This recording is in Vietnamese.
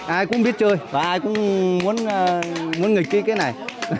ai cũng biết chơi và ai cũng muốn nghịch cái này